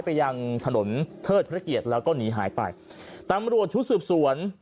ไปยังถนนเทิดพระเกียรติแล้วก็หนีหายไปตำรวจชุดสืบสวน